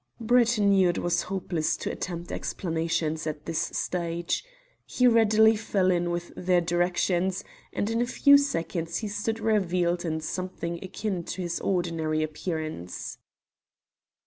Brett knew it was hopeless to attempt explanations at this stage. He readily fell in with their directions, and in a few seconds he stood revealed in something akin to his ordinary appearance.